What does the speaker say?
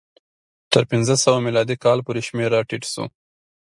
تر پنځه سوه میلادي کاله پورې شمېر راټیټ شو.